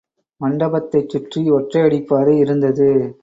மண்டபத்தைச் சுற்றி ஒற்றையடிப் பாதை இருந்தது.